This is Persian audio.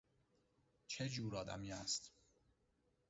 چه جور آدمی است؟